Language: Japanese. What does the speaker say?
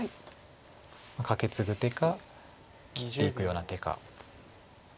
カケツグ手か切っていくような手か。